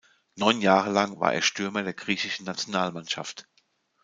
Neun Jahre lang war er Stürmer der griechischen Nationalmannschaft.